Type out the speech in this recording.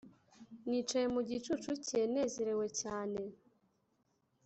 Nicaye mu gicucu cye nezerewe cyane